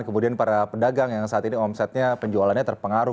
kemudian para pedagang yang saat ini omsetnya penjualannya terpengaruh